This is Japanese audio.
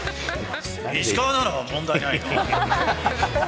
石川なら問題ないよ。